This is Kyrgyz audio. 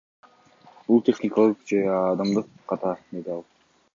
Бул техникалык же адамдык ката, — деди ал.